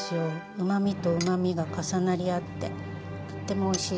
うまみとうまみが重なり合ってとってもおいしいです。